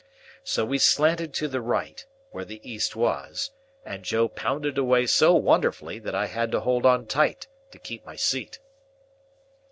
So we slanted to the right (where the East was), and Joe pounded away so wonderfully, that I had to hold on tight to keep my seat.